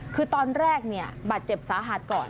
คือตอนแรกเนี่ยบาดเจ็บสาหัสก่อน